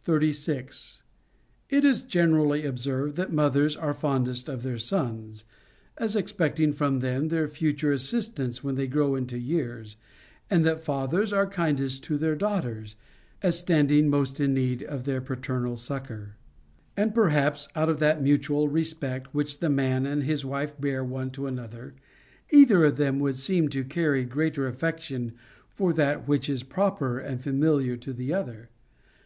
36. It is generally observed that mothers are fondest of their sons, as expecting from them their future assistance 500 CONJUGAL PRECEPTS. when they grow into years, and that fathers are kindest to their daughters, as standing most in need of their paternal succor. And perhaps, out of that mutual respect which the man and his wife bear one to another, either of them would seem to carry greater affection for that which is proper and familiar to the other.